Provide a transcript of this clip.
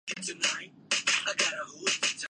وہ بیچارہ معزز ہونے کی ایکٹنگ کرتا